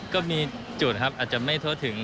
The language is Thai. ก็มีจุดครับอาจจะไม่ทั่วถึง